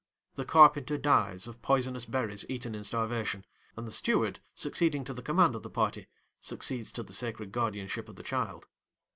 The carpenter dies of poisonous berries eaten in starvation; and the steward, succeeding to the command of the party, succeeds to the sacred guardianship of the child.